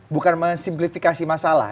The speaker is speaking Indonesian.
bukan meng simplifikasi masalah